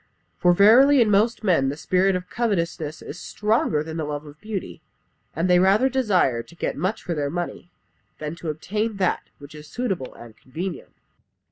For verily in most men the spirit of covetousness is stronger than the love of beauty, and they rather desire to get much for their money, than to obtain that which is suitable and convenient."